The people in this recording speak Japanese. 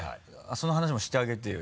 その話もしてあげてよ